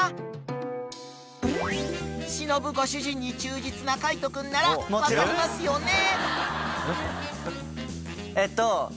［忍ご主人に忠実な海人君なら分かりますよね？］